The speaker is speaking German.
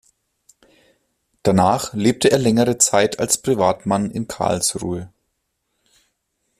Danach lebte er längere Zeit als Privatmann in Karlsruhe.